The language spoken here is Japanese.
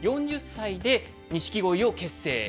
４０歳で錦鯉を結成。